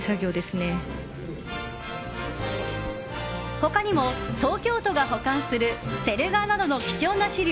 他にも東京都が保管するセル画などの貴重な資料